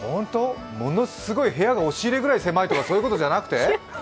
ものすごい、部屋が押入ぐらい狭いとか、そういうことじゃなくて？